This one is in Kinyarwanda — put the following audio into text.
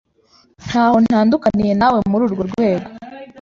Ntaho ntandukaniye nawe muri urwo rwego.